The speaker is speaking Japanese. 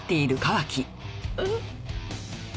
えっ？